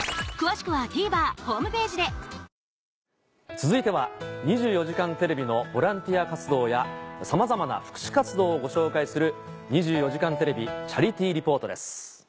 続いては『２４時間テレビ』のボランティア活動やさまざまな福祉活動をご紹介する。